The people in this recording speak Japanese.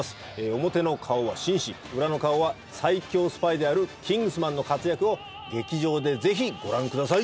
表の顔は紳士裏の顔は最強スパイであるキングスマンの活躍を劇場で是非ご覧ください